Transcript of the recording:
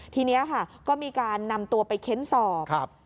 ทีนี้ค่ะก็มีการนำตัวไปเค้นสอบ